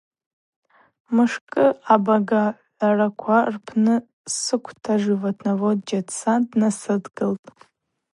Мышкӏы Абагагӏвараква рпны сыквта аживотновод Джьатсан днасыдгылтӏ.